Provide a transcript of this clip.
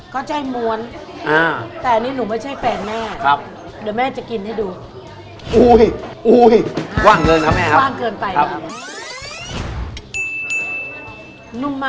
ก็จะให้ม้วน